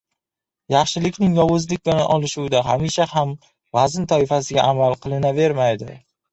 — Yaxshilikning yovuzlik bilan olishuvida hamisha ham vazn toifasiga amal qilinavermaydi.